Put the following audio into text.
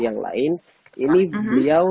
yang lain ini beliau